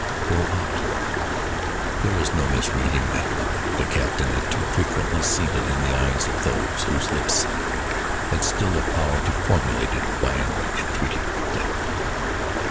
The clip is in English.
For what? There was no misreading that look; the captain had too frequently seen it in eyes of those whose lips had still the power to formulate it by an entreaty for death.